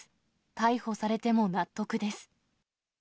逮捕されても納得です。